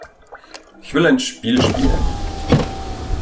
Ich will ein Spiel spielen.